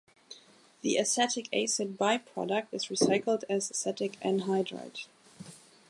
The acetic acid by-product is recycled as acetic anhydride.